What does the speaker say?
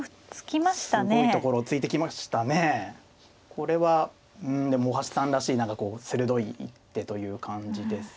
これはうんでも大橋さんらしい何かこう鋭い一手という感じです。